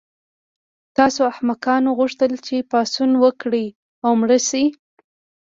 تاسو احمقانو غوښتل چې پاڅون وکړئ او مړه شئ